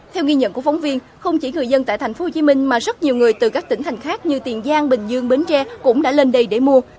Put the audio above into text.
theo ghi nhận của phóng viên không chỉ người dân tại tp hcm mà rất nhiều người từ các tỉnh thành khác như tiền giang bình dương bến tre cũng đã lên đây để mua